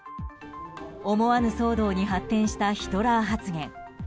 思わぬ騒動に発展したヒトラー発言。